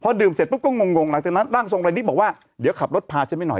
ดื่มเสร็จปุ๊บก็งงหลังจากนั้นร่างทรงรายนี้บอกว่าเดี๋ยวขับรถพาฉันไปหน่อย